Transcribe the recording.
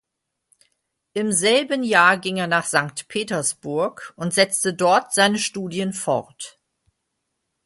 Im selben Jahr ging er nach Sankt Petersburg und setzte dort seine Studien fort.